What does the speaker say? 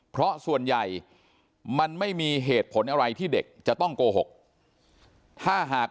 เพราะส่วนใหญ่มันไม่มีเหตุผลอะไรที่เด็กจะต้องโกหกถ้าหาก